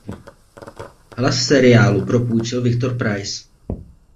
Hlas seriálu propůjčil Viktor Preiss.